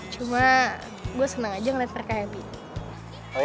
cuma gue seneng aja ngeliat mereka happy